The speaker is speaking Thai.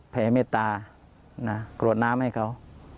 แผ่เมตตากรวดน้ำให้เขา